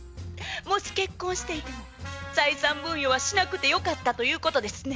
もし結婚していても財産分与はしなくてよかったということですね？